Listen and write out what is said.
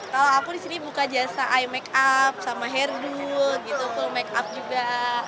kalau aku disini buka jasa imakeup sama hairdude gitu full make up juga